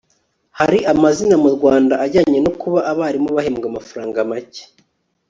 hari amazina mu rwanda ajyanye no kuba abarimu bahembwa amafaranga make